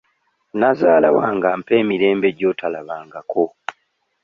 Nazaala wange ampa emirembe gy'otalabangako.